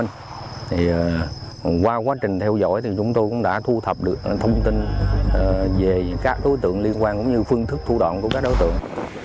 thì qua quá trình theo dõi thì chúng tôi cũng đã thu thập được thông tin về các đối tượng liên quan cũng như phương thức thu đoạn của các đối tượng